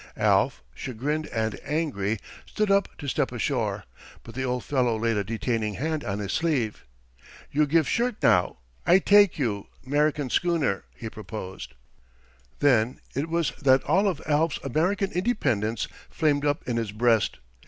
Alf, chagrined and angry, stood up to step ashore. But the old fellow laid a detaining hand on his sleeve. "You give shirt now. I take you 'Merican schooner," he proposed. Then it was that all of Alf's American independence flamed up in his breast.